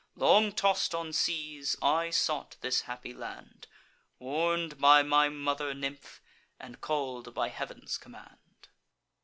Long toss'd on seas, I sought this happy land, Warn'd by my mother nymph, and call'd by Heav'n's command."